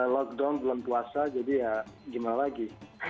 lockdown belum puasa jadi ya gimana lagi